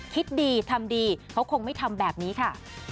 คิดดีทำดีเขาคงไม่ทำแบบนี้ค่ะ